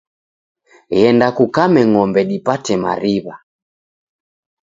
Ghenda kukame ng'ombe dipate mariw'a